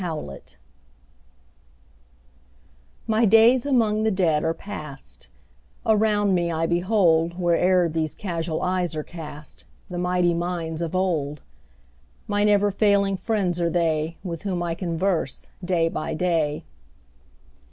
His Books MY days among the Dead are past; Around me I behold, Where'er these casual eyes are cast, The mighty minds of old: My never failing friends are they, 5 With whom I converse day by day.